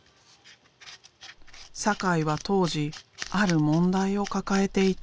酒井は当時ある問題を抱えていた。